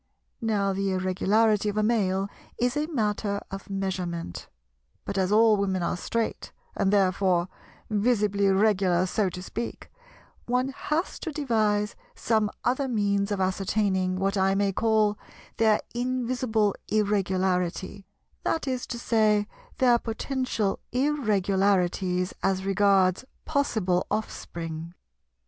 Now the Irregularity of a Male is a matter of measurement; but as all Women are straight, and therefore visibly Regular so to speak, one has to devise some other means of ascertaining what I may call their invisible Irregularity, that is to say their potential Irregularities as regards possible offspring.